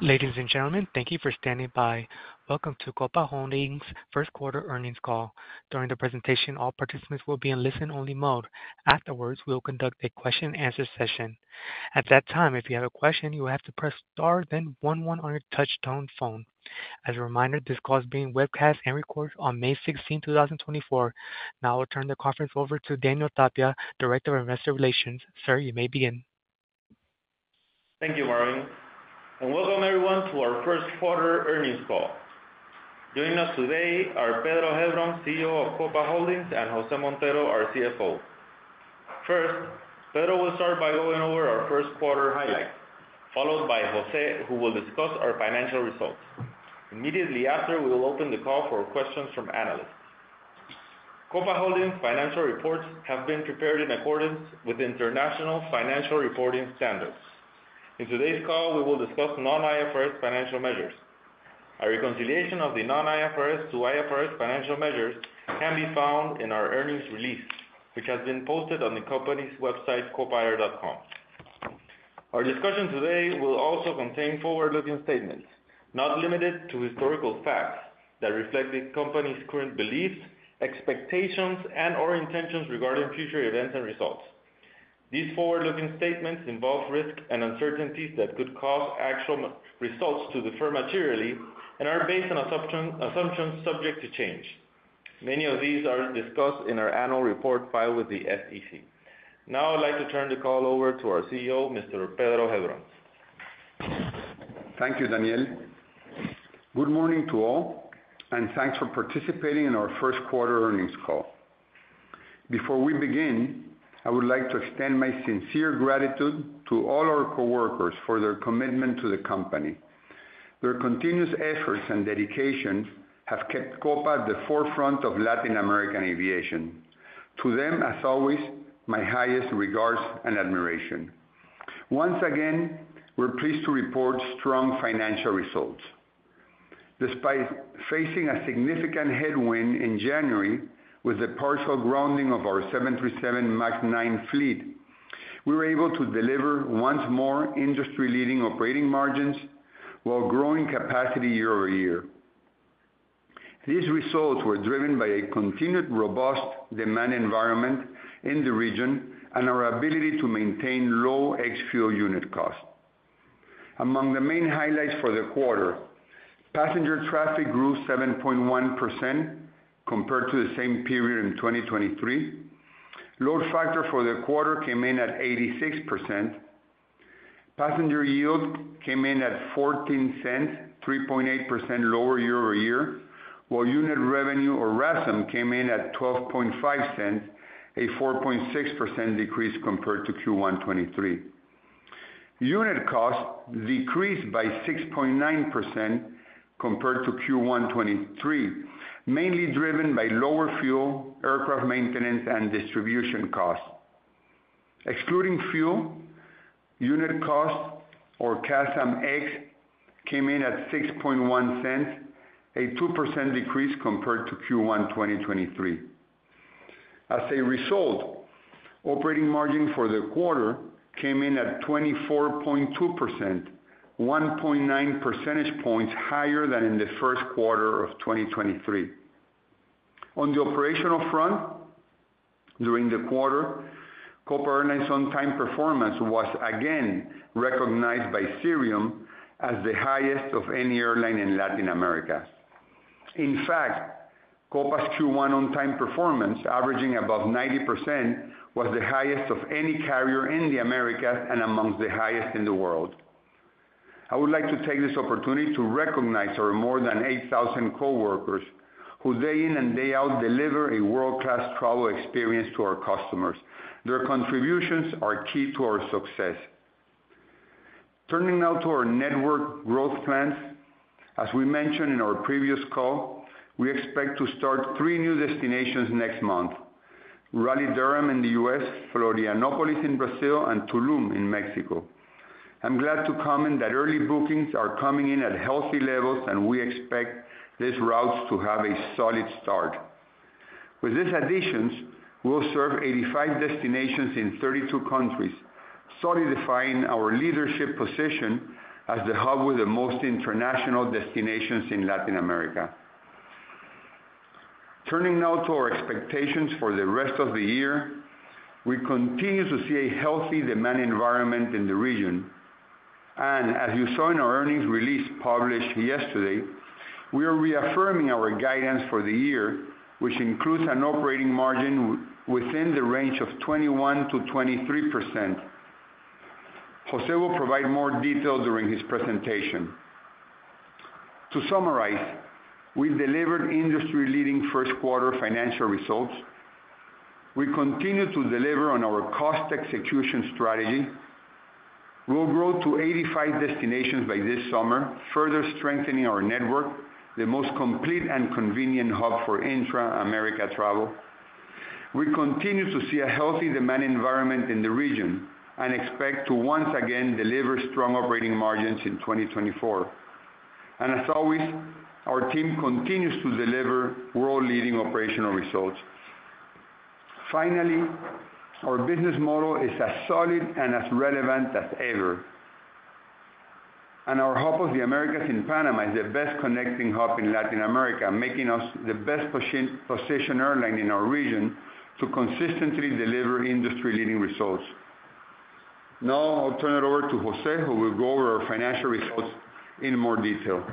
Ladies and gentlemen, thank you for standing by. Welcome to Copa Holdings' Q1 Earnings Call. During the presentation, all participants will be in listen-only mode. Afterwards, we will conduct a question-and-answer session. At that time, if you have a question, you will have to press star then one on your touch-tone phone. As a reminder, this call is being webcast and recorded on May sixteenth, two thousand and twenty-four. Now I'll turn the conference over to Daniel Tapia, Director of Investor Relations. Sir, you may begin. Thank you, Marvin, and welcome everyone to our Q1 Earnings Call. Joining us today are Pedro Heilbron, CEO of Copa Holdings, and José Montero, our CFO. First, Pedro will start by going over our Q1 highlights, followed by José, who will discuss our financial results. Immediately after, we will open the call for questions from analysts. Copa Holdings' financial reports have been prepared in accordance with International Financial Reporting Standards. In today's call, we will discuss non-IFRS financial measures. A reconciliation of the non-IFRS to IFRS financial measures can be found in our earnings release, which has been posted on the company's website, copaair.com. Our discussion today will also contain forward-looking statements, not limited to historical facts, that reflect the company's current beliefs, expectations, and/or intentions regarding future events and results. These forward-looking statements involve risks and uncertainties that could cause actual results to differ materially and are based on assumptions subject to change. Many of these are discussed in our annual report filed with the SEC. Now I'd like to turn the call over to our CEO, Mr. Pedro Heilbron. Thank you, Daniel. Good morning to all, and thanks for participating in our Q1 earnings call. Before we begin, I would like to extend my sincere gratitude to all our coworkers for their commitment to the company. Their continuous efforts and dedication have kept Copa at the forefront of Latin American aviation. To them, as always, my highest regards and admiration. Once again, we're pleased to report strong financial results. Despite facing a significant headwind in January with the partial grounding of our 737 MAX 9 fleet, we were able to deliver once more industry-leading operating margins while growing capacity year-over-year. These results were driven by a continued robust demand environment in the region and our ability to maintain low ex-fuel unit costs. Among the main highlights for the quarter: passenger traffic grew 7.1% compared to the same period in 2023. Load factor for the quarter came in at 86%. Passenger yield came in at $0.14, 3.8% lower year-over-year, while unit revenue or RASM came in at $0.125, a 4.6% decrease compared to Q1 2023. Unit cost decreased by 6.9% compared to Q1 2023, mainly driven by lower fuel, aircraft maintenance, and distribution costs. Excluding fuel, unit cost, or CASM ex, came in at $0.061, a 2% decrease compared to Q1 2023. As a result, operating margin for the quarter came in at 24.2%, 1.9 percentage points higher than in the Q1 of 2023. On the operational front, during the quarter, Copa Airlines' on-time performance was again recognized by Cirium as the highest of any airline in Latin America. In fact, Copa's Q1 on-time performance, averaging above 90%, was the highest of any carrier in the Americas and amongst the highest in the world. I would like to take this opportunity to recognize our more than 8,000 coworkers, who day in and day out, deliver a world-class travel experience to our customers. Their contributions are key to our success. Turning now to our network growth plans. As we mentioned in our previous call, we expect to start three new destinations next month: Raleigh-Durham in the U.S., Florianópolis in Brazil, and Tulum in Mexico. I'm glad to comment that early bookings are coming in at healthy levels, and we expect these routes to have a solid start. With these additions, we'll serve 85 destinations in 32 countries, solidifying our leadership position as the hub with the most international destinations in Latin America. Turning now to our expectations for the rest of the year. We continue to see a healthy demand environment in the region, and as you saw in our earnings release published yesterday, we are reaffirming our guidance for the year, which includes an operating margin within the range of 21%-23%. Jose will provide more detail during his presentation. To summarize, we delivered industry-leading Q1 financial results. We continue to deliver on our cost execution strategy. We'll grow to 85 destinations by this summer, further strengthening our network, the most complete and convenient hub for intra-America travel. We continue to see a healthy demand environment in the region and expect to once again deliver strong operating margins in 2024. And as always, our team continues to deliver world-leading operational results. Finally, our business model is as solid and as relevant as ever. Our Hub of the Americas in Panama is the best connecting hub in Latin America, making us the best positioned airline in our region to consistently deliver industry-leading results. Now, I'll turn it over to Jose, who will go over our financial results in more detail.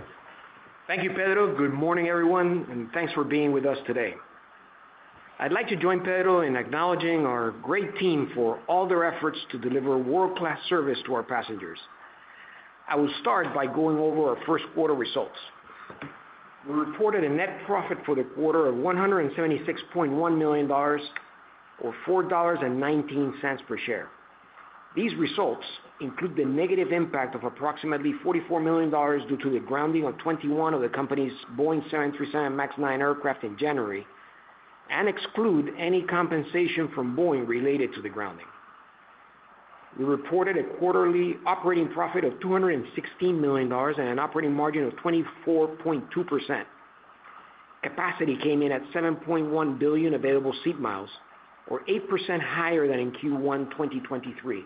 Thank you, Pedro. Good morning, everyone, and thanks for being with us today. I'd like to join Pedro in acknowledging our great team for all their efforts to deliver world-class service to our passengers. I will start by going over our Q1 results. We reported a net profit for the quarter of $176.1 million, or $4.19 per share. These results include the negative impact of approximately $44 million due to the grounding of 21 of the company's Boeing 737 MAX 9 aircraft in January, and exclude any compensation from Boeing related to the grounding. We reported a quarterly operating profit of $216 million and an operating margin of 24.2%. Capacity came in at 7.1 billion available seat miles, or 8% higher than in Q1 2023.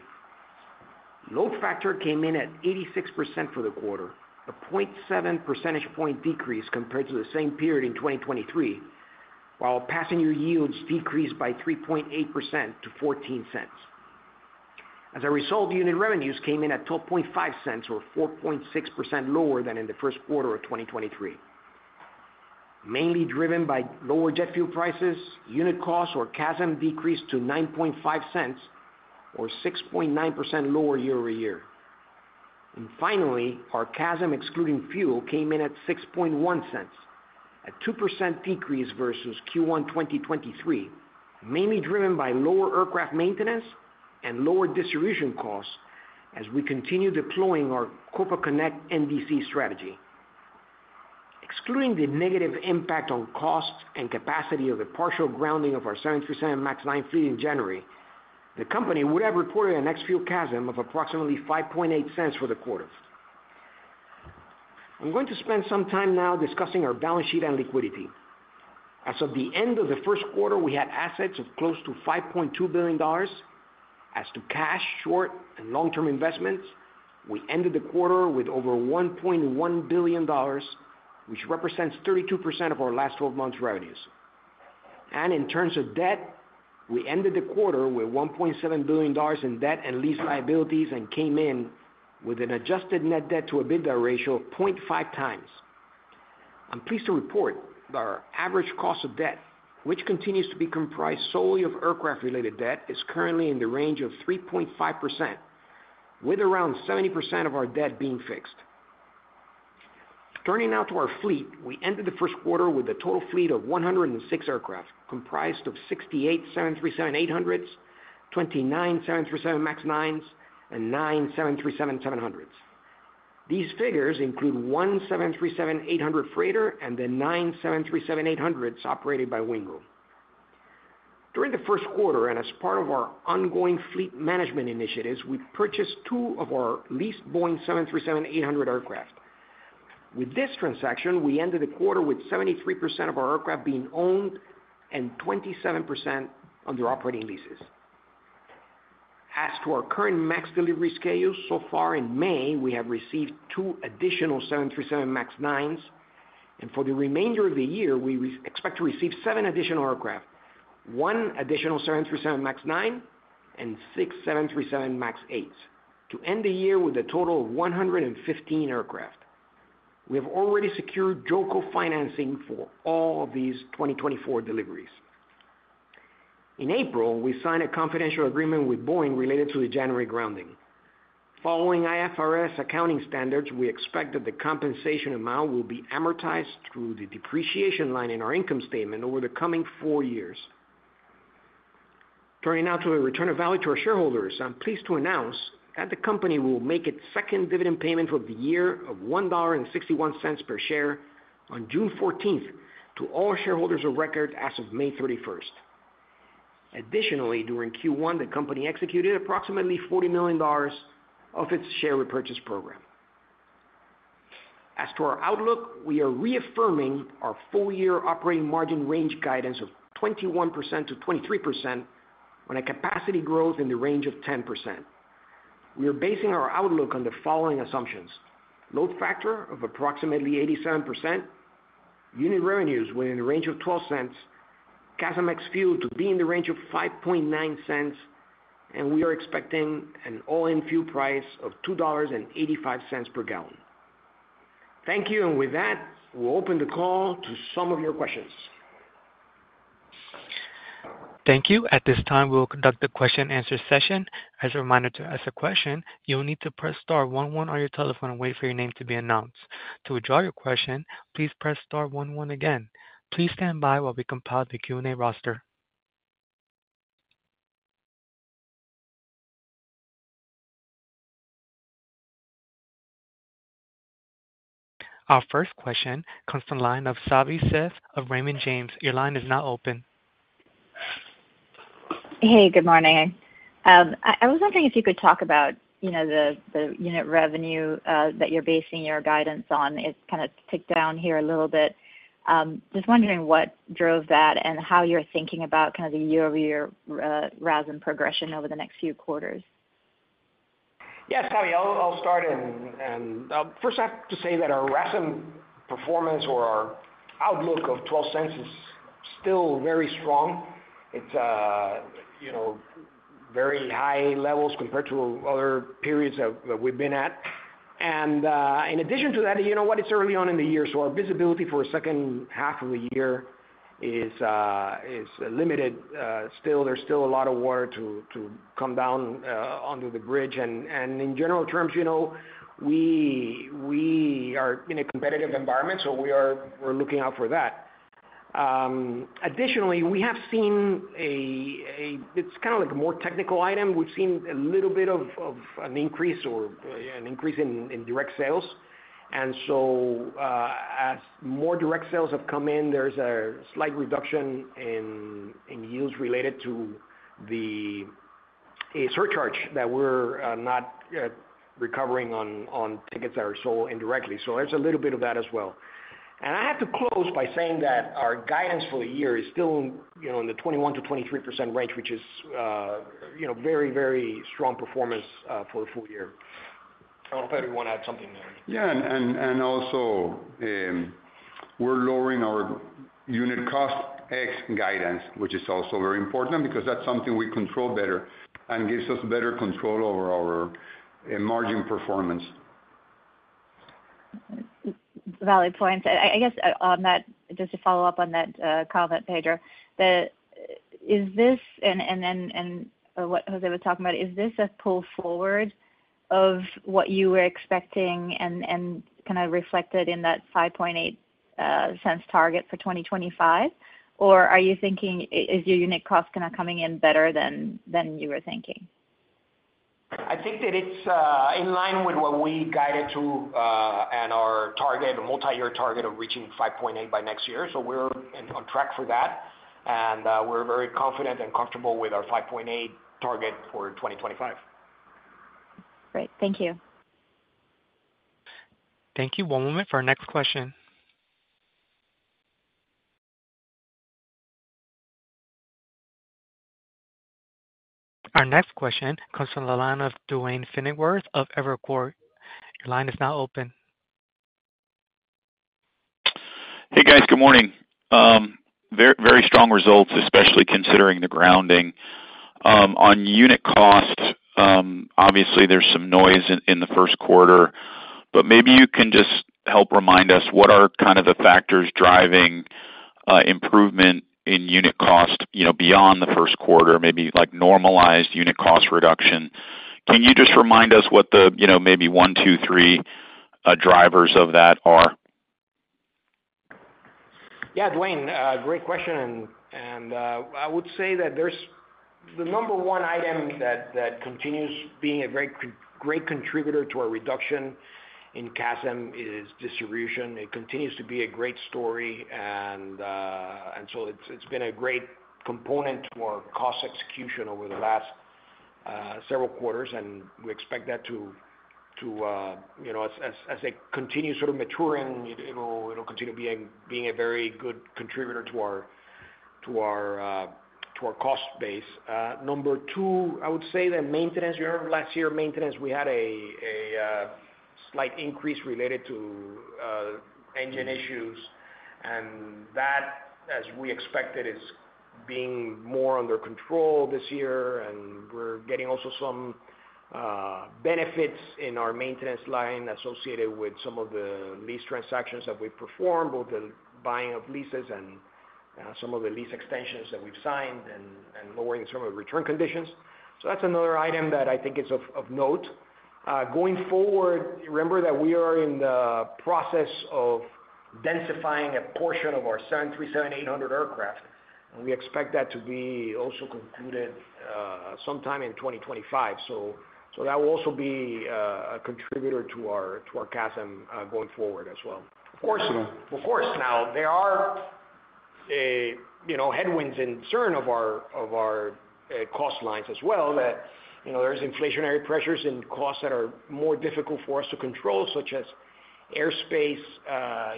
Load factor came in at 86% for the quarter, a 0.7 percentage point decrease compared to the same period in 2023, while passenger yields decreased by 3.8% to $0.14. As a result, unit revenues came in at $0.125, or 4.6% lower than in the Q1 of 2023. Mainly driven by lower jet fuel prices, unit costs or CASM decreased to $0.095, or 6.9% lower year over year. And finally, our CASM, excluding fuel, came in at $0.061, a 2% decrease versus Q1 2023, mainly driven by lower aircraft maintenance and lower distribution costs as we continue deploying our Copa Connect NDC strategy. Excluding the negative impact on costs and capacity of the partial grounding of our 737 MAX 9 fleet in January, the company would have reported an ex-fuel CASM of approximately $0.058 for the quarter. I'm going to spend some time now discussing our balance sheet and liquidity. As of the end of the Q1, we had assets of close to $5.2 billion. As to cash, short, and long-term investments, we ended the quarter with over $1.1 billion, which represents 32% of our last twelve months' revenues. And in terms of debt, we ended the quarter with $1.7 billion in debt and lease liabilities and came in with an adjusted net debt to EBITDA ratio of 0.5x. I'm pleased to report that our average cost of debt, which continues to be comprised solely of aircraft-related debt, is currently in the range of 3.5%, with around 70% of our debt being fixed. Turning now to our fleet, we ended the Q1 with a total fleet of 106 aircraft, comprised of 68 737-800s, 29 737 MAX 9s, and nine 737-700s. These figures include one 737-800 freighter and the nine 737-800s operated by Wingo. During the Q1, and as part of our ongoing fleet management initiatives, we purchased two of our leased Boeing 737-800 aircraft. With this transaction, we ended the quarter with 73% of our aircraft being owned and 27% under operating leases. As to our current MAX delivery schedule, so far in May, we have received 2 additional 737 MAX 9s, and for the remainder of the year, we expect to receive 7 additional aircraft, one additional 737 MAX 9 and six 737 MAX 8s, to end the year with a total of 115 aircraft. We have already secured JOLCO financing for all of these 2024 deliveries. In April, we signed a confidential agreement with Boeing related to the January grounding. Following IFRS accounting standards, we expect that the compensation amount will be amortized through the depreciation line in our income statement over the coming four years. Turning now to the return of value to our shareholders. I'm pleased to announce that the company will make its second dividend payment of the year of $1.61 per share on June 14, to all shareholders of record as of May 31. Additionally, during Q1, the company executed approximately $40 million of its share repurchase program. As to our outlook, we are reaffirming our full-year operating margin range guidance of 21%-23% on a capacity growth in the range of 10%. We are basing our outlook on the following assumptions: load factor of approximately 87%, unit revenues within the range of $0.12, CASM ex fuel to be in the range of $0.059, and we are expecting an all-in fuel price of $2.85 per gallon. Thank you, and with that, we'll open the call to some of your questions. Thank you. At this time, we will conduct the question and answer session. As a reminder to ask a question, you will need to press star one one on your telephone and wait for your name to be announced. To withdraw your question, please press star one one again. Please stand by while we compile the Q&A roster. Our first question comes from the line of Savi Syth of Raymond James. Your line is now open. Hey, good morning. I was wondering if you could talk about, you know, the unit revenue that you're basing your guidance on. It's kind of ticked down here a little bit. Just wondering what drove that and how you're thinking about kind of the year-over-year RASM progression over the next few quarters? Yeah, Savi, I'll start, and first, I have to say that our RASM performance or our outlook of 12 cents is still very strong. It's you know, very high levels compared to other periods that we've been at. And in addition to that, you know what? It's early on in the year, so our visibility for a second half of the year is limited. Still, there's still a lot of water to come down under the bridge. And in general terms, you know, we are in a competitive environment, so we're looking out for that. Additionally, we have seen a—it's kind of like a more technical item. We've seen a little bit of an increase in direct sales. And so, as more direct sales have come in, there's a slight reduction in, in yields related to the, a surcharge that we're, not, recovering on, on tickets that are sold indirectly. So there's a little bit of that as well. And I have to close by saying that our guidance for the year is still, you know, in the 21%-23% range, which is, you know, very, very strong performance, for a full year. I don't know if you want to add something, Jose. Yeah, and also, we're lowering our unit cost X guidance, which is also very important because that's something we control better and gives us better control over our margin performance. Valid points. I guess, on that, just to follow up on that comment, Pedro, is this... and what Jose was talking about, is this a pull forward of what you were expecting and kind of reflected in that $0.058 target for 2025? Or are you thinking, is your unit cost kind of coming in better than you were thinking? I think that it's in line with what we guided to and our target, a multi-year target of reaching 5.8 by next year. So we're on track for that, and we're very confident and comfortable with our 5.8 target for 2025. Great. Thank you. Thank you. One moment for our next question. Our next question comes from the line of Duane Pfennigwerth of Evercore. Your line is now open. Hey, guys. Good morning. Very strong results, especially considering the grounding. On unit costs, obviously there's some noise in the Q1, but maybe you can just help remind us what are kind of the factors driving improvement in unit cost, you know, beyond the Q1, maybe like normalized unit cost reduction. Can you just remind us what the, you know, maybe one, two, three drivers of that are? Yeah, Duane, great question, and I would say that there's the number one item that continues being a great contributor to our reduction in CASM is distribution. It continues to be a great story, and so it's been a great component to our cost execution over the last several quarters, and we expect that to, you know, as it continues sort of maturing, it, you know, it'll continue being a very good contributor to our cost base. Number two, I would say that maintenance. You remember last year, maintenance, we had a slight increase related to engine issues, and that, as we expected, is being more under control this year, and we're getting also some benefits in our maintenance line associated with some of the lease transactions that we performed, both the buying of leases and some of the lease extensions that we've signed and lowering some of the return conditions. So that's another item that I think is of note. Going forward, remember that we are in the process of densifying a portion of our 737-800 aircraft, and we expect that to be also concluded sometime in 2025. So that will also be a contributor to our CASM going forward as well. Of course, of course, now there are a, you know, headwinds and concern of our, of our, cost lines as well, that, you know, there's inflationary pressures and costs that are more difficult for us to control, such as airspace,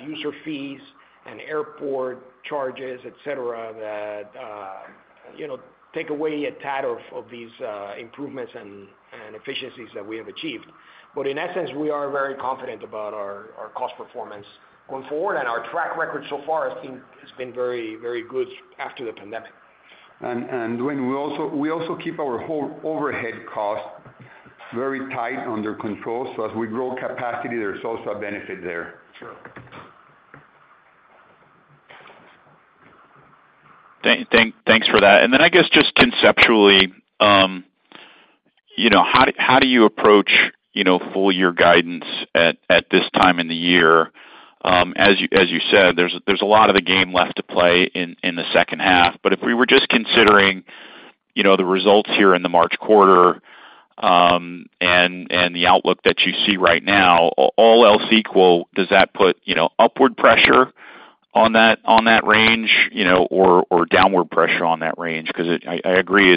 user fees and airport charges, et cetera, that, you know, take away a tad of, of these, improvements and, and efficiencies that we have achieved. But in that sense, we are very confident about our, our cost performance going forward, and our track record so far has been, has been very, very good after the pandemic. When we also keep our whole overhead cost very tight under control. So as we grow capacity, there's also a benefit there. Sure. Thanks for that. And then I guess, just conceptually, you know, how do you approach, you know, full year guidance at this time in the year? As you said, there's a lot of the game left to play in the second half. But if we were just considering, you know, the results here in the March quarter, and the outlook that you see right now, all else equal, does that put, you know, upward pressure on that range, you know, or downward pressure on that range? Because I agree,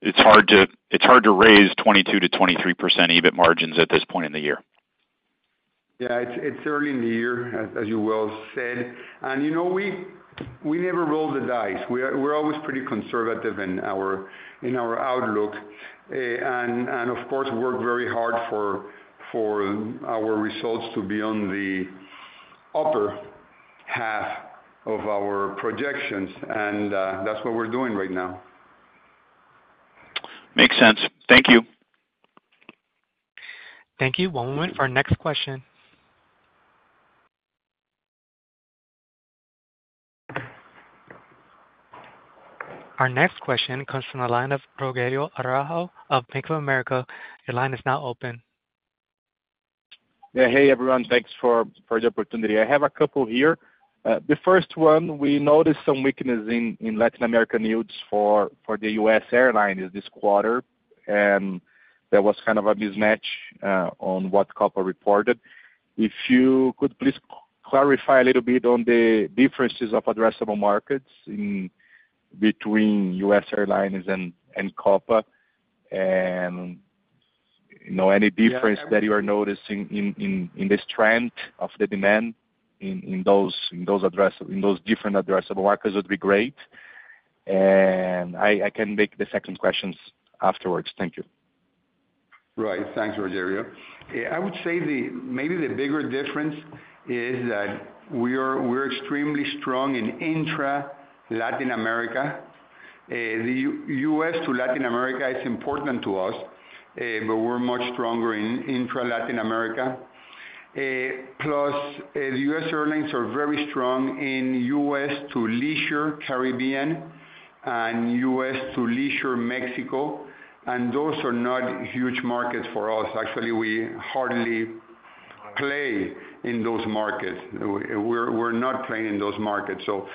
it's hard to raise 22%-23% EBIT margins at this point in the year. Yeah, it's early in the year, as you well said, and you know, we never roll the dice. We're always pretty conservative in our outlook, and of course, work very hard for our results to be on the upper half of our projections, and that's what we're doing right now. Makes sense. Thank you. Thank you. One moment for our next question. Our next question comes from the line of Rogério Araujo of Bank of America. Your line is now open. Yeah. Hey, everyone. Thanks for the opportunity. I have a couple here. The first one, we noticed some weakness in Latin American units for the U.S. airlines this quarter, and there was kind of a mismatch on what Copa reported. If you could please clarify a little bit on the differences of addressable markets in between U.S. airlines and Copa, and, you know, any difference- Yeah that you are noticing in this trend of the demand in those different addressable markets would be great. And I can make the second questions afterwards. Thank you. Right. Thanks, Rogério. I would say maybe the bigger difference is that we are, we're extremely strong in intra-Latin America. The U.S. to Latin America is important to us, but we're much stronger in intra-Latin America. Plus, the U.S. airlines are very strong in U.S. to leisure Caribbean and U.S. to leisure Mexico, and those are not huge markets for us. Actually, we hardly play in those markets. We're, we're not playing in those markets. So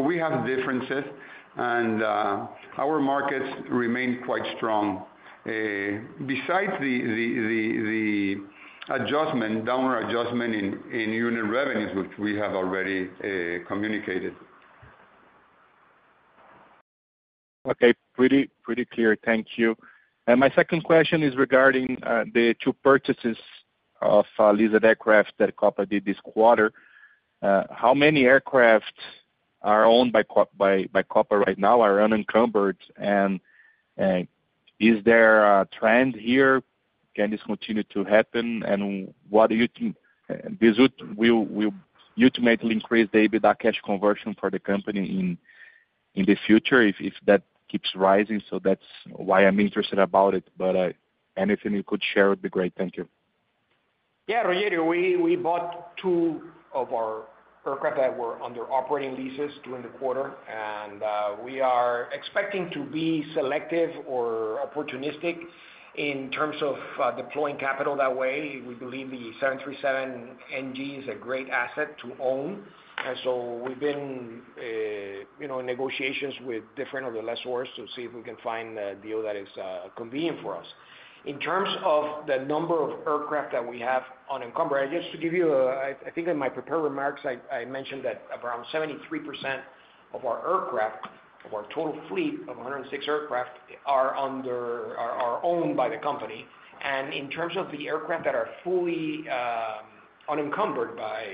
we have differences, and our markets remain quite strong, besides the downward adjustment in unit revenues, which we have already communicated. Okay. Pretty, pretty clear. Thank you. And my second question is regarding the two purchases of leased aircraft that Copa did this quarter. How many aircraft are owned by Copa right now are unencumbered? And is there a trend here? Can this continue to happen? And what do you think this will ultimately increase the EBITDA cash conversion for the company in the future, if that keeps rising? So that's why I'm interested about it, but anything you could share would be great. Thank you. Yeah, Rogério, we bought two of our aircraft that were under operating leases during the quarter, and we are expecting to be selective or opportunistic in terms of deploying capital that way. We believe the 737 NG is a great asset to own, and so we've been, you know, in negotiations with different lessors to see if we can find a deal that is convenient for us. In terms of the number of aircraft that we have unencumbered, just to give you a... I think in my prepared remarks, I mentioned that around 73% of our aircraft, of our total fleet of 106 aircraft, are owned by the company. In terms of the aircraft that are fully unencumbered by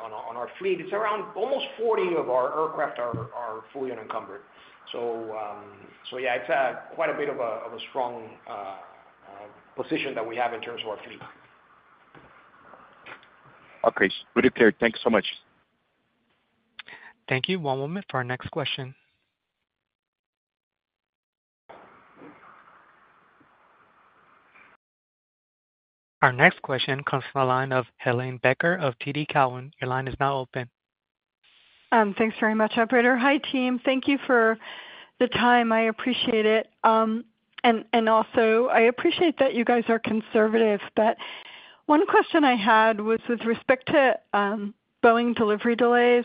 on our fleet, it's around almost 40 of our aircraft are fully unencumbered. Yeah, it's quite a bit of a strong position that we have in terms of our fleet. Okay. Pretty clear. Thank you so much. Thank you. One moment for our next question. Our next question comes from the line of Helen Becker of TD Cowen. Your line is now open. Thanks very much, operator. Hi, team. Thank you for the time. I appreciate it. And also, I appreciate that you guys are conservative, but one question I had was with respect to Boeing delivery delays.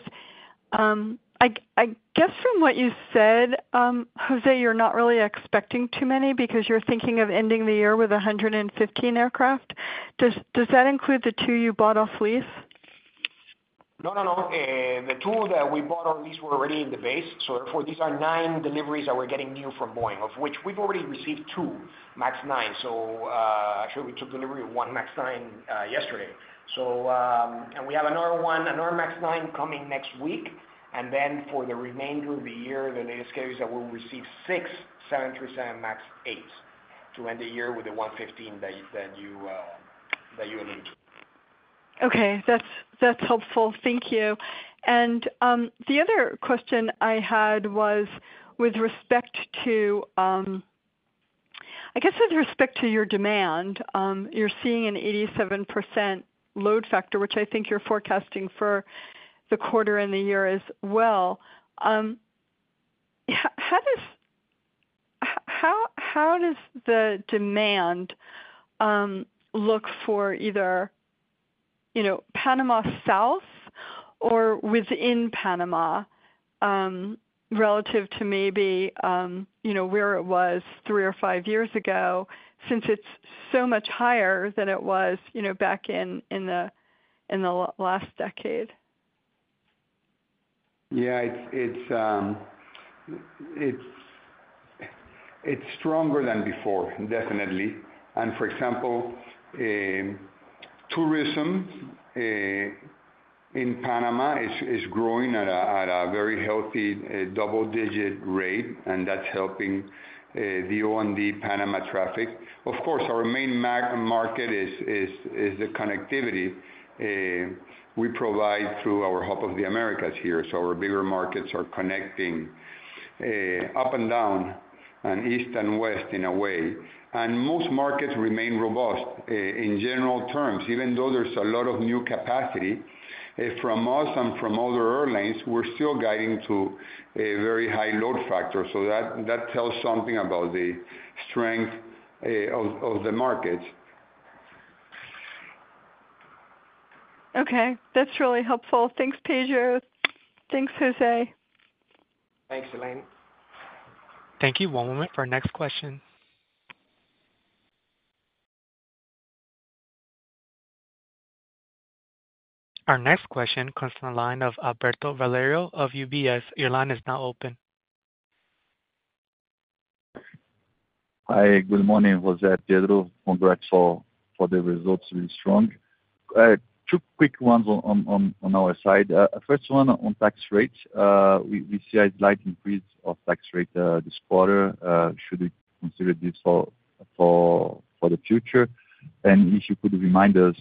I guess from what you said, Jose, you're not really expecting too many because you're thinking of ending the year with 115 aircraft. Does that include the two you bought off lease? No, no, no. The two that we bought on lease were already in the base, so therefore, these are nine deliveries that we're getting new from Boeing, of which we've already received two MAX 9. So, actually, we took delivery of one MAX 9, yesterday. So, and we have another one, another MAX 9 coming next week, and then for the remainder of the year, the latest case that we'll receive six 737 MAX 8s to end the year with the 115 that you alluded to. Okay, that's helpful. Thank you. And the other question I had was with respect to, I guess with respect to your demand. You're seeing an 87% load factor, which I think you're forecasting for the quarter and the year as well. How does the demand look for either, you know, Panama South or within Panama relative to maybe, you know, where it was three or five years ago, since it's so much higher than it was, you know, back in the last decade? Yeah, it's stronger than before, definitely. For example, tourism in Panama is growing at a very healthy double-digit rate, and that's helping the O&D Panama traffic. Of course, our main market is the connectivity we provide through our Hub of the Americas here. So our bigger markets are connecting up and down and east and west in a way, and most markets remain robust in general terms, even though there's a lot of new capacity from us and from other airlines, we're still guiding to a very high load factor. So that tells something about the strength of the markets. Okay, that's really helpful. Thanks, Pedro. Thanks, José. Thanks, Helen. Thank you. One moment for our next question. Our next question comes from the line of Alberto Valerio of UBS. Your line is now open. Hi, good morning, Jose, Pedro. Congrats for the results, really strong. Two quick ones on our side. First one, on tax rates. We see a slight increase of tax rate this quarter. Should we consider this for the future? And if you could remind us,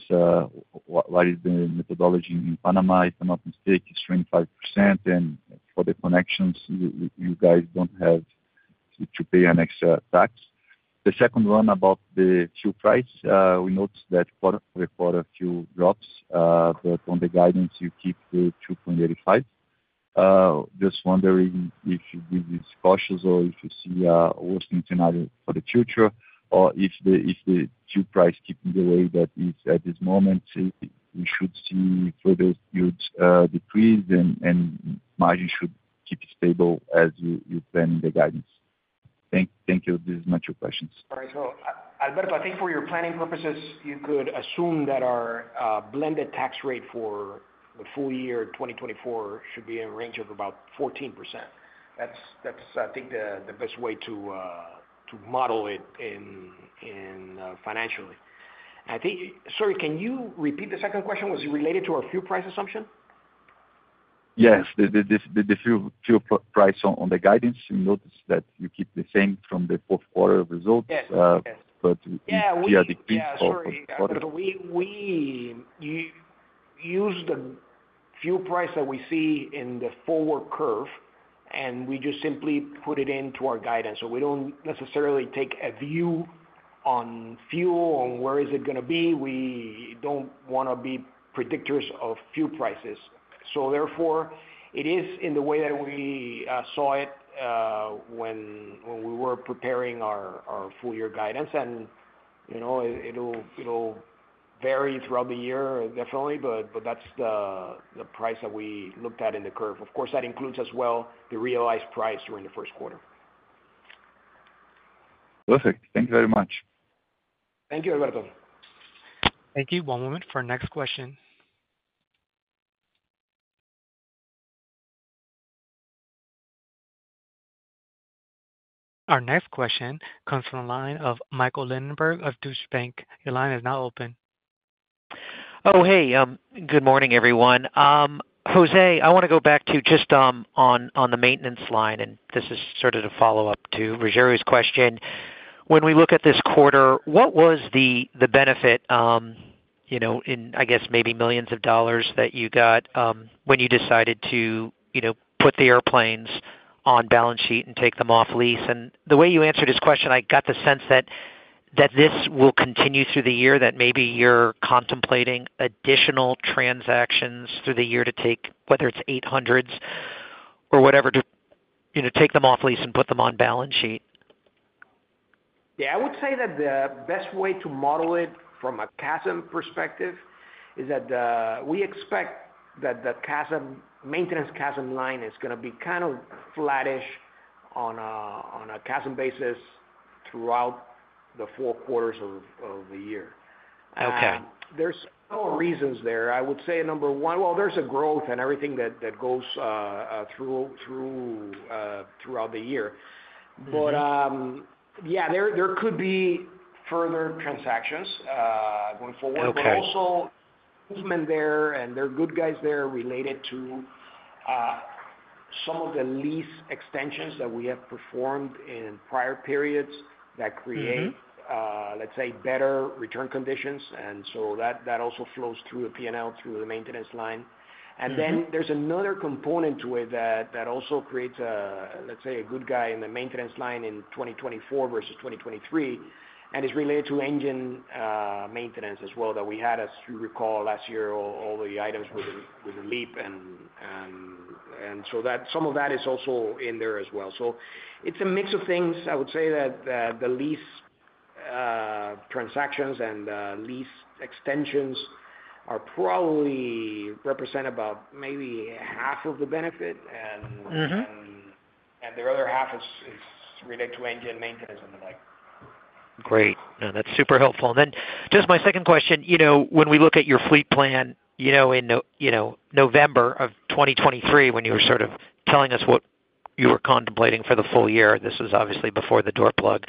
what is the methodology in Panama? If I'm not mistaken, it's 25%, and for the connections, you guys don't have to pay an extra tax. The second one about the fuel price. We noticed that quarter-over-quarter fuel drops, but on the guidance, you keep the $2.85. Just wondering if, if this is cautious or if you see a worsening scenario for the future, or if the, if the fuel price keeping the way that it's at this moment, we should see further huge decreases and, and margin should keep stable as you, you plan the guidance. Thank you. These are my two questions. All right. So, Alberto, I think for your planning purposes, you could assume that our blended tax rate for the full year 2024 should be in range of about 14%. That's, that's I think the best way to model it in financially. I think... Sorry, can you repeat the second question? Was it related to our fuel price assumption? Yes. The fuel price on the guidance, you notice that you keep the same from the Q4 results. Yes. Yes. Uh, but- Yeah, we- Yeah, the piece of- Yeah, sorry. We use the fuel price that we see in the forward curve, and we just simply put it into our guidance. So we don't necessarily take a view on fuel, on where is it gonna be. We don't want to be predictors of fuel prices. So therefore, it is in the way that we saw it when we were preparing our full year guidance, and, you know, it'll vary throughout the year, definitely, but that's the price that we looked at in the curve. Of course, that includes as well the realized price during the Q1. Perfect. Thank you very much. Thank you, Alberto. Thank you. One moment for our next question. Our next question comes from the line of Michael Linenberg of Deutsche Bank. Your line is now open. Oh, hey, good morning, everyone. Jose, I wanna go back to just, on, on the maintenance line, and this is sort of a follow-up to Rogério's question. When we look at this quarter, what was the, the benefit, you know, in, I guess maybe millions of dollars that you got, when you decided to, you know, put the airplanes on balance sheet and take them off lease? And the way you answered his question, I got the sense that, that this will continue through the year, that maybe you're contemplating additional transactions through the year to take, whether it's eight hundreds or whatever, to, you know, take them off lease and put them on balance sheet. Yeah, I would say that the best way to model it from a CASM perspective is that we expect that the CASM maintenance CASM line is gonna be kind of flattish on a CASM basis throughout the four quarters of the year. Okay. There's several reasons there. I would say number one. Well, there's a growth and everything that goes throughout the year. Mm-hmm. Yeah, there could be further transactions going forward. Okay. But also movement there, and there are good guys there related to some of the lease extensions that we have performed in prior periods that create- Mm-hmm Let's say, better return conditions, and so that, that also flows through the PNL, through the maintenance line. Mm-hmm. And then there's another component to it that also creates a, let's say, a good guy in the maintenance line in 2024 versus 2023, and is related to engine maintenance as well, that we had, as you recall, last year, all the items with the LEAP and so that some of that is also in there as well. So it's a mix of things. I would say that the lease transactions and lease extensions are probably represent about maybe half of the benefit- Mm-hmm And the other half is related to engine maintenance and the like. Great. No, that's super helpful. And then just my second question, you know, when we look at your fleet plan, you know, in November 2023, when you were sort of telling us what you were contemplating for the full year, this was obviously before the door plug.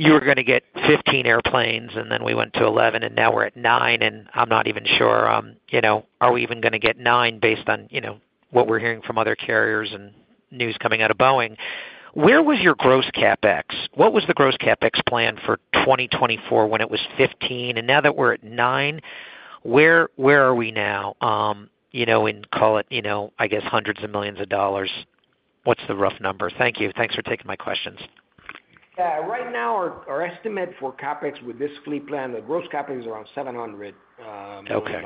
You were gonna get 15 airplanes, and then we went to 11, and now we're at 9, and I'm not even sure, you know, are we even gonna get 9 based on, you know, what we're hearing from other carriers and news coming out of Boeing. Where was your gross CapEx? What was the gross CapEx plan for 2024 when it was 15? And now that we're at 9, where, where are we now? You know, in, call it, you know, I guess hundreds of millions of dollars. What's the rough number? Thank you. Thanks for taking my questions. Yeah. Right now, our estimate for CapEx with this fleet plan, the gross CapEx is around $700 million. Okay.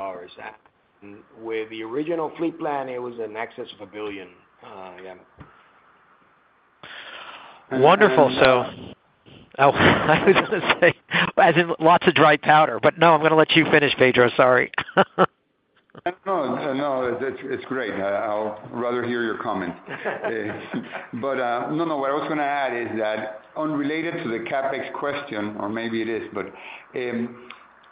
With the original fleet plan, it was in excess of $1 billion, yeah. Wonderful. And, and, uh- So, oh, I was gonna say, as in lots of dry powder, but no, I'm gonna let you finish, Pedro. Sorry. No, no, it's great. I'll rather hear your comment. But, no, no, what I was gonna add is that unrelated to the CapEx question, or maybe it is, but,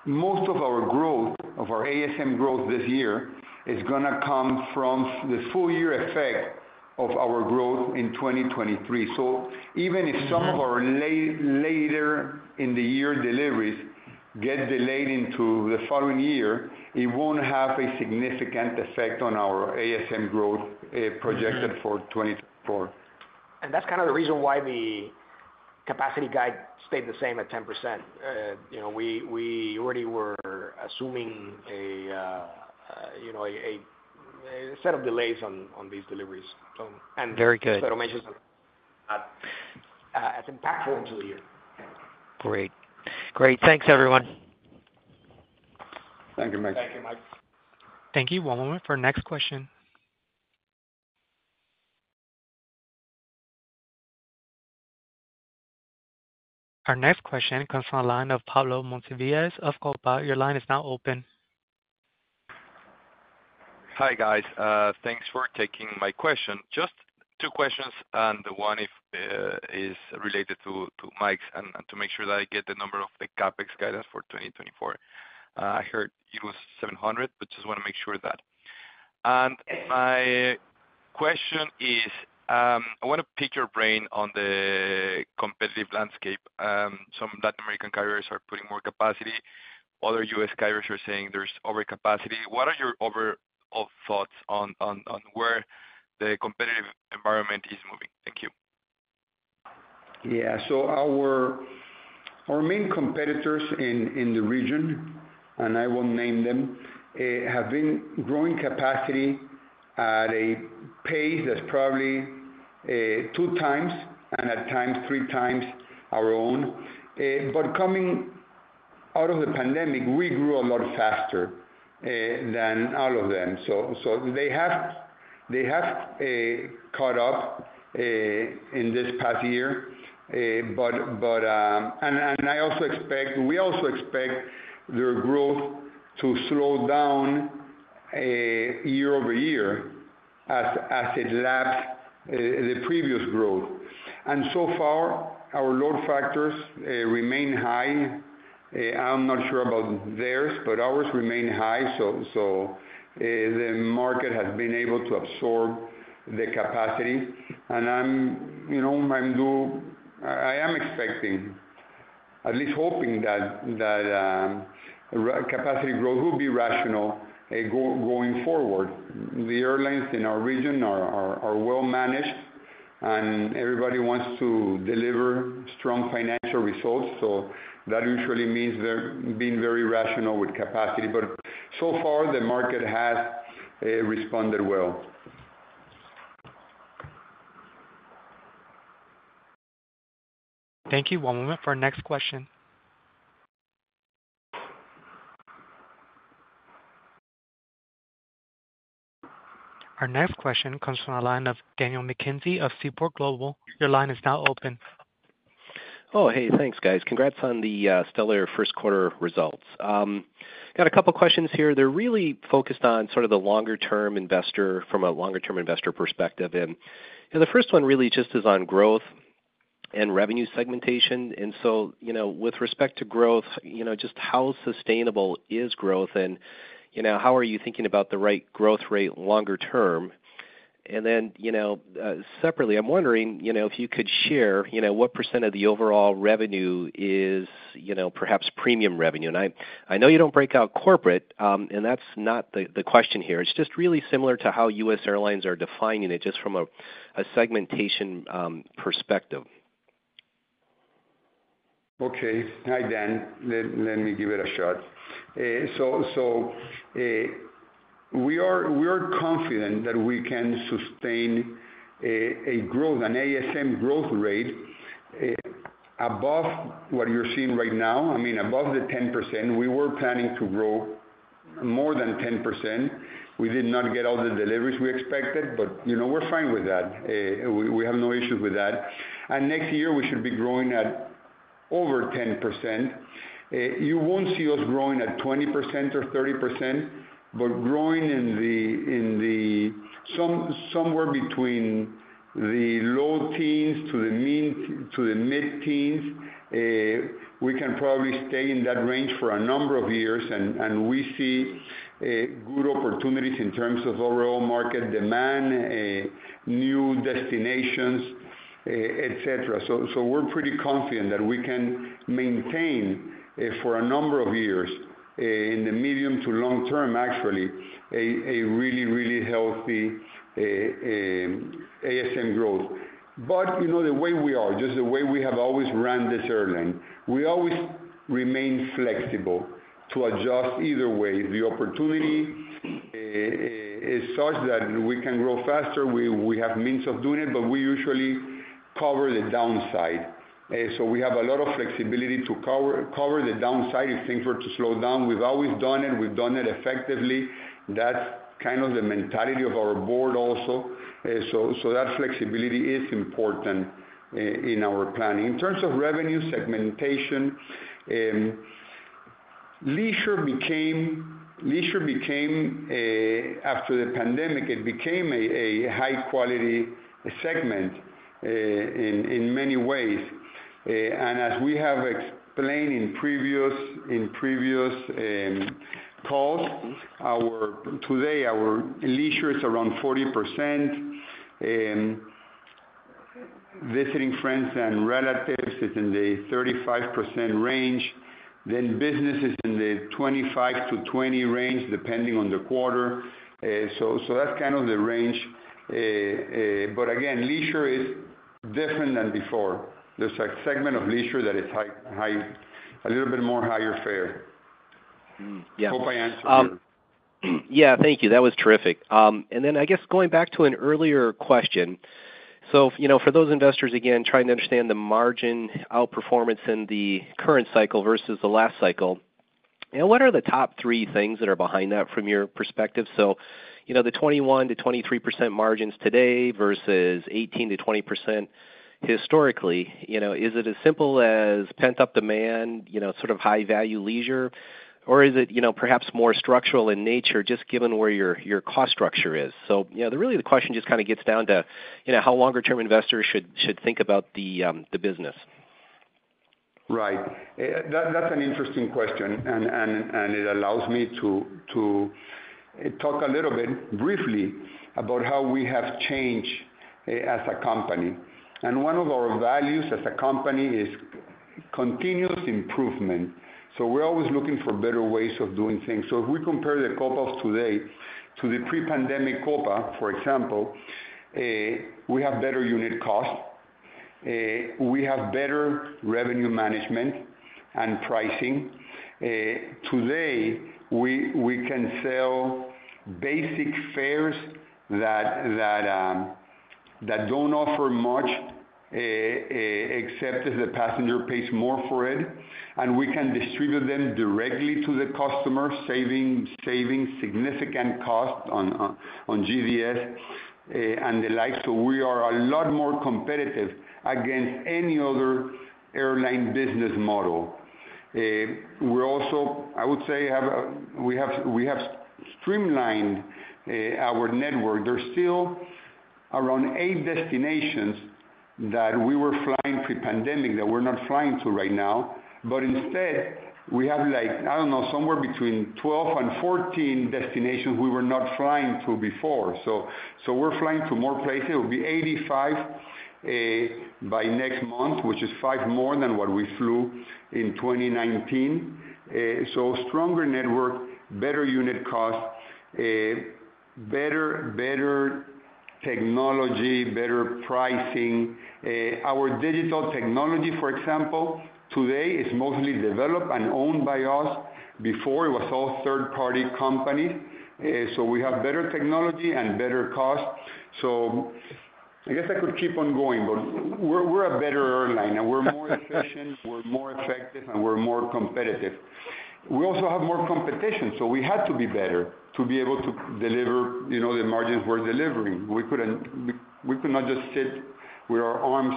most of our growth, of our ASM growth this year is gonna come from the full year effect of our growth in 2023. So even if some of our later in the year deliveries get delayed into the following year, it won't have a significant effect on our ASM growth projected for 2024. And that's kind of the reason why the capacity guide stayed the same at 10%. You know, we already were assuming a, you know, a set of delays on these deliveries. So, and- Very good. So as I mentioned, as impactful to the year. Great. Great. Thanks, everyone. Thank you, Mike. Thank you, Mike. Thank you. One moment for next question. Our next question comes from the line of Pablo Monsivais of Barclays. Your line is now open. Hi, guys, thanks for taking my question. Just two questions, and one is related to Mike's and to make sure that I get the number of the CapEx guidance for 2024. I heard it was $700, but just wanna make sure of that. And my question is, I wanna pick your brain on the competitive landscape. Some Latin American carriers are putting more capacity. Other U.S. carriers are saying there's overcapacity. What are your overall thoughts on where the competitive environment is moving? Thank you. Yeah. So our main competitors in the region, and I won't name them, have been growing capacity at a pace that's probably 2 times, and at times 3 times our own. But coming out of the pandemic, we grew a lot faster than all of them. So they have caught up in this past year, but... And I also expect we also expect their growth to slow down year-over-year as it laps the previous growth. And so far, our load factors remain high. I'm not sure about theirs, but ours remain high. So the market has been able to absorb the capacity. I'm, you know, expecting, at least hoping that capacity growth will be rational going forward. The airlines in our region are well managed, and everybody wants to deliver strong financial results, so that usually means they're being very rational with capacity. But so far, the market has responded well. Thank you. One moment for our next question. Our next question comes from the line of Daniel McKenzie of Seaport Global. Your line is now open. Oh, hey, thanks, guys. Congrats on the stellar Q1 results. Got a couple questions here. They're really focused on sort of the longer-term investor, from a longer-term investor perspective. And, you know, the first one really just is on growth and revenue segmentation. And so, you know, just how sustainable is growth? And, you know, separately, I'm wondering, you know, if you could share, you know, what % of the overall revenue is, you know, perhaps premium revenue. And I know you don't break out corporate, and that's not the question here. It's just really similar to how U.S. airlines are defining it, just from a segmentation perspective. Okay. Hi, Dan. Let me give it a shot. So, we are confident that we can sustain a growth, an ASM growth rate, above what you're seeing right now. I mean, above the 10%. We were planning to grow more than 10%. We did not get all the deliveries we expected, but, you know, we're fine with that. We have no issues with that. And next year, we should be growing at over 10%. You won't see us growing at 20% or 30%, but growing in the somewhere between the low teens to the mid-teens, we can probably stay in that range for a number of years, and we see good opportunities in terms of overall market demand, new destinations, et cetera. So, we're pretty confident that we can maintain for a number of years in the medium to long term, actually, a really, really healthy ASM growth. But, you know, the way we are, just the way we have always run this airline, we always remain flexible to adjust either way. The opportunity is such that we can grow faster, we have means of doing it, but we usually cover the downside. So we have a lot of flexibility to cover the downside if things were to slow down. We've always done it, and we've done it effectively. That's kind of the mentality of our board also. So that flexibility is important in our planning. In terms of revenue segmentation, leisure became after the pandemic it became a high-quality segment in many ways. And as we have explained in previous calls, today our leisure is around 40%, visiting friends and relatives is in the 35% range, then business is in the 25%-20% range, depending on the quarter. So that's kind of the range. But again, leisure is different than before. There's a segment of leisure that is high, a little bit more higher fare. Mm-hmm. Yeah. Hope I answered your- Yeah, thank you. That was terrific. And then I guess going back to an earlier question, so, you know, for those investors, again, trying to understand the margin outperformance in the current cycle versus the last cycle, you know, what are the top three things that are behind that from your perspective? So, you know, the 21%-23% margins today versus 18%-20% historically, you know, is it as simple as pent-up demand, you know, sort of high-value leisure? Or is it, you know, perhaps more structural in nature, just given where your, your cost structure is? So, you know, really the question just kind of gets down to, you know, how longer term investors should, should think about the, the business. Right. That's an interesting question, and it allows me to talk a little bit briefly about how we have changed as a company. One of our values as a company is continuous improvement, so we're always looking for better ways of doing things. If we compare the Copa’s today to the pre-pandemic Copa, for example, we have better unit costs, we have better revenue management and pricing. Today, we can sell basic fares that don't offer much, except that the passenger pays more for it, and we can distribute them directly to the customer, saving significant costs on GDS and the like. We are a lot more competitive against any other airline business model. We're also, I would say, we have streamlined our network. There's still around 8 destinations that we were flying pre-pandemic that we're not flying to right now, but instead, we have, like, I don't know, somewhere between 12 and 14 destinations we were not flying to before. So we're flying to more places. It will be 85 by next month, which is 5 more than what we flew in 2019. So stronger network, better unit costs, better technology, better pricing. Our digital technology, for example, today is mostly developed and owned by us. Before, it was all third-party companies. So we have better technology and better costs. So I guess I could keep on going, but we're a better airline, and we're more efficient, we're more effective, and we're more competitive. We also have more competition, so we had to be better to be able to deliver, you know, the margins we're delivering. We couldn't, we could not just sit with our arms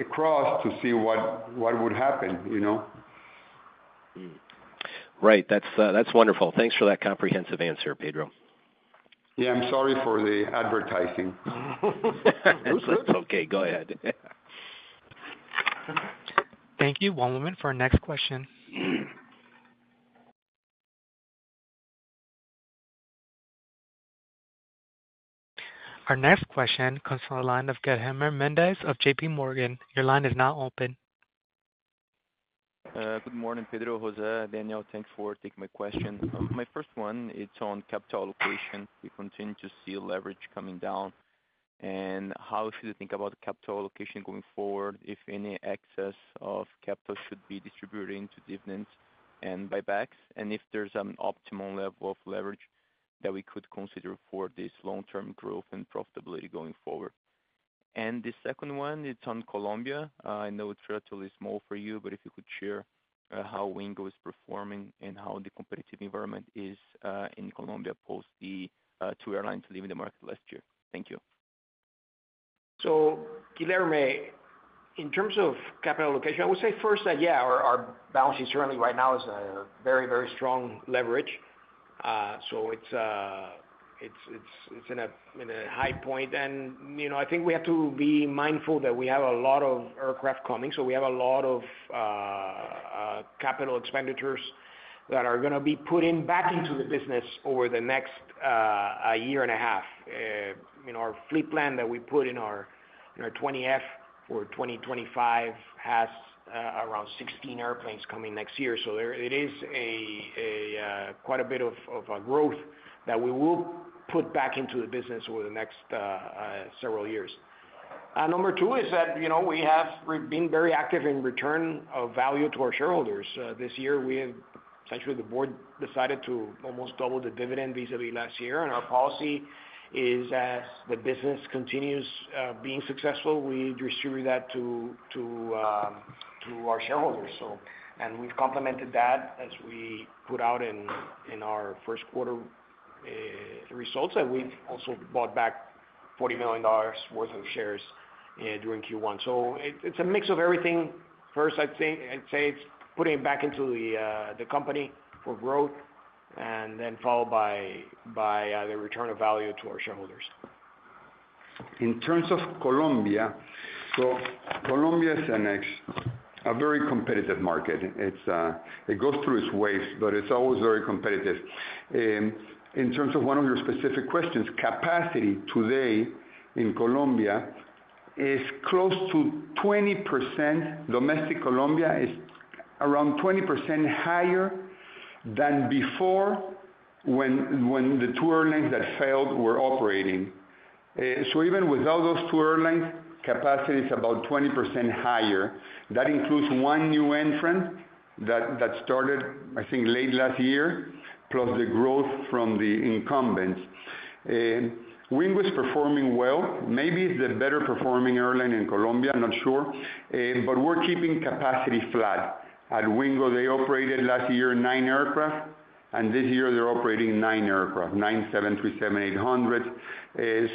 across to see what would happen, you know? Mm-hmm. Right. That's, that's wonderful. Thanks for that comprehensive answer, Pedro. Yeah, I'm sorry for the advertising. It's okay. Go ahead. Thank you. One moment for our next question. Our next question comes from the line of Guilherme Mendes of JP Morgan. Your line is now open. Good morning, Pedro, José, Daniel. Thanks for taking my question. My first one, it's on capital allocation. We continue to see leverage coming down, and how should you think about capital allocation going forward, if any excess of capital should be distributed into dividends and buybacks? And if there's an optimal level of leverage that we could consider for this long-term growth and profitability going forward. And the second one, it's on Colombia. I know it's relatively small for you, but if you could share, how Wingo is performing and how the competitive environment is, in Colombia post the two airlines leaving the market last year. Thank you. So, Guilherme, in terms of capital allocation, I would say first that, yeah, our, our balance sheet certainly right now is a very, very strong leverage.... so it's in a high point. And, you know, I think we have to be mindful that we have a lot of aircraft coming, so we have a lot of capital expenditures that are gonna be put in back into the business over the next year and a half. You know, our fleet plan that we put in our 20-F for 2025 has around 16 airplanes coming next year. So there it is a quite a bit of growth that we will put back into the business over the next several years. And number two is that, you know, we have been very active in return of value to our shareholders. This year, we have essentially, the board decided to almost double the dividend vis-à-vis last year, and our policy is as the business continues being successful, we distribute that to our shareholders, so. And we've complemented that as we put out in our Q1 results, that we've also bought back $40 million worth of shares during Q1. So it's a mix of everything. First, it's putting it back into the company for growth, and then followed by the return of value to our shareholders. In terms of Colombia, so Colombia is a very competitive market. It goes through its ways, but it's always very competitive. In terms of one of your specific questions, capacity today in Colombia is close to 20%. Domestic Colombia is around 20% higher than before, when the two airlines that failed were operating. So even without those two airlines, capacity is about 20% higher. That includes one new entrant that started, I think, late last year, plus the growth from the incumbents. Wingo is performing well. Maybe it's the better performing airline in Colombia, I'm not sure. But we're keeping capacity flat. At Wingo, they operated last year nine aircraft, and this year they're operating nine aircraft, nine 737-800.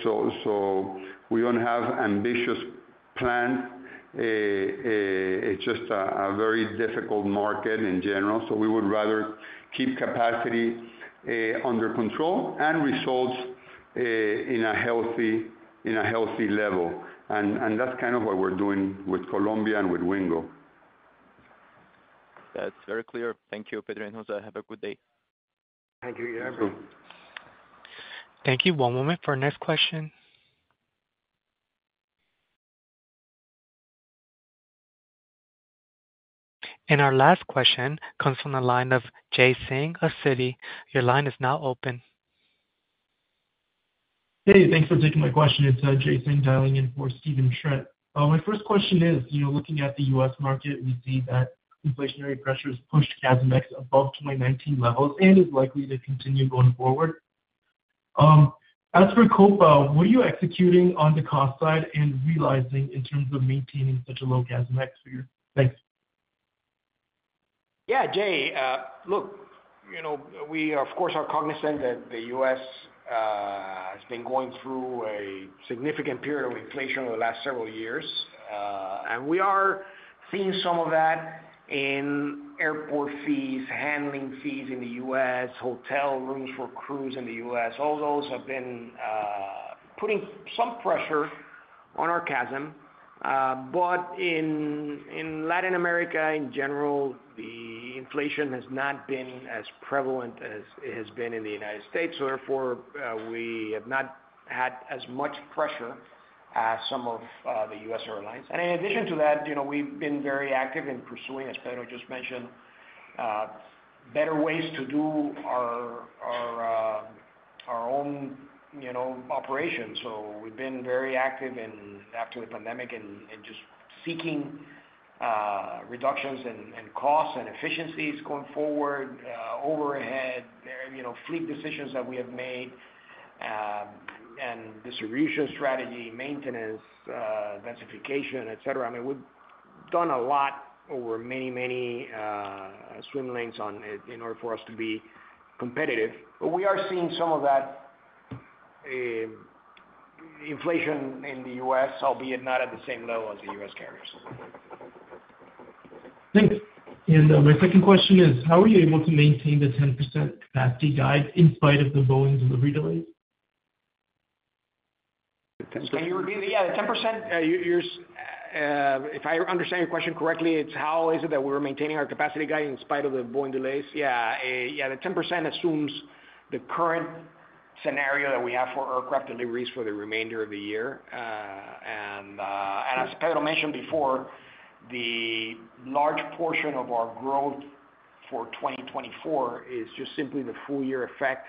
So we don't have ambitious plans. It's just a very difficult market in general, so we would rather keep capacity under control and results in a healthy level. And that's kind of what we're doing with Colombia and with Wingo. That's very clear. Thank you, Pedro and Jose. Have a good day. Thank you. You too. Thank you. One moment for our next question. Our last question comes from the line of Jay Singh of Citi. Your line is now open. Hey, thanks for taking my question. It's Jay Singh dialing in for Stephen Trent. My first question is, you know, looking at the U.S. market, we see that inflationary pressures pushed CASM ex above to 19 levels and is likely to continue going forward. As for Copa, were you executing on the cost side and realizing in terms of maintaining such a low CASM ex figure? Thanks. Yeah, Jay. Look, you know, we, of course, are cognizant that the U.S. has been going through a significant period of inflation over the last several years. We are seeing some of that in airport fees, handling fees in the U.S., hotel rooms for crews in the U.S. All those have been putting some pressure on our CASM. But in Latin America, in general, the inflation has not been as prevalent as it has been in the United States, so therefore, we have not had as much pressure as some of the U.S. airlines. In addition to that, you know, we've been very active in pursuing, as Pedro just mentioned, better ways to do our own, you know, operations. So we've been very active in, after the pandemic, and just seeking reductions and costs and efficiencies going forward, overhead, very, you know, fleet decisions that we have made, and distribution strategy, maintenance, densification, et cetera. I mean, we've done a lot over many, many swim lanes on it in order for us to be competitive. But we are seeing some of that inflation in the US, albeit not at the same level as the US carriers. Thanks. And, my second question is: How were you able to maintain the 10% capacity guide in spite of the Boeings and the redelays? Can you repeat me? Yeah, the 10%... If I understand your question correctly, it's how is it that we're maintaining our capacity guide in spite of the Boeing delays? Yeah, yeah, the 10% assumes the current scenario that we have for aircraft deliveries for the remainder of the year. And as Pedro mentioned before, the large portion of our growth for 2024 is just simply the full year effect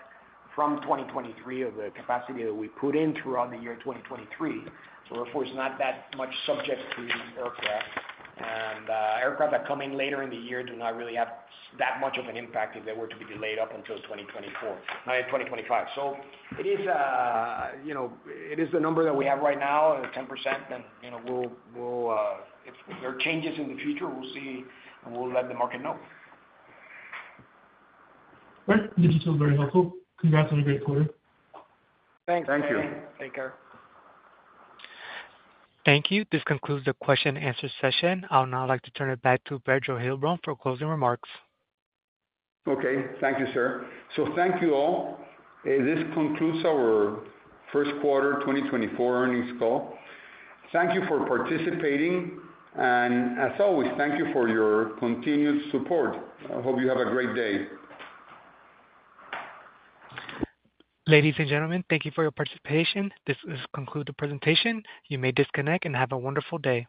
from 2023 of the capacity that we put in throughout the year 2023. So therefore, it's not that much subject to the aircraft. And aircraft that come in later in the year do not really have that much of an impact if they were to be delayed up until 2024... 2025. So it is, you know, it is the number that we have right now, the 10%, and, you know, we'll if there are changes in the future, we'll see, and we'll let the market know. Great. This is so very helpful. Congrats on a great quarter. Thanks, Jay. Thank you. Take care. Thank you. This concludes the question and answer session. I would now like to turn it back to Pedro Heilbron for closing remarks. Okay. Thank you, sir. Thank you, all. This concludes our Q1 2024 earnings call. Thank you for participating, and as always, thank you for your continued support. I hope you have a great day. Ladies and gentlemen, thank you for your participation. This does conclude the presentation. You may disconnect and have a wonderful day.